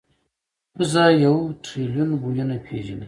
پزه یو ټریلیون بویونه پېژني.